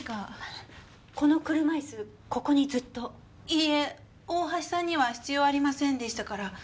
いいえ大橋さんには必要ありませんでしたから。